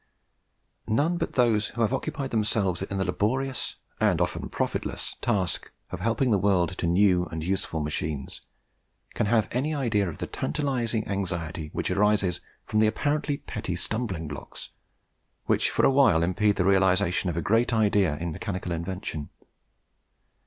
None but those who have occupied themselves in the laborious and often profitless task of helping the world to new and useful machines can have any idea of the tantalizing anxiety which arises from the apparently petty stumbling blocks which for awhile impede the realization of a great idea in mechanical invention.